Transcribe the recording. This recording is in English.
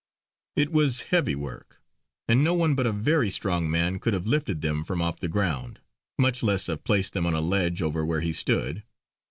It was heavy work, and no one but a very strong man could have lifted them from off the ground, much less have placed them on a ledge over where he stood.